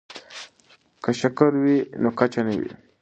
که شکر وي نو کچه نه وي.